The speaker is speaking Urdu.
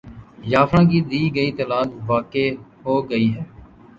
یا فلاں کی دی گئی طلاق واقع ہو گئی ہے